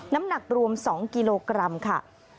น้ำหนักรวม๒กิโลกรัมค่ะ